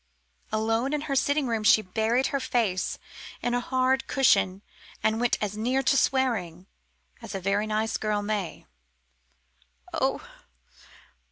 Alone in her sitting room she buried her face in a hard cushion and went as near to swearing as a very nice girl may. "Oh!